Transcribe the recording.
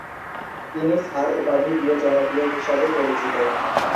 তিনি স্যার উপাধি দিয়ে জনপ্রিয় হিসাবে পরিচিত।